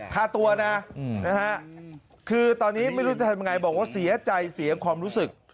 ฆ่าตัวนะคือตอนนี้ไม่รู้จะทำยังไงบอกว่าเสียใจเสียความรู้สึก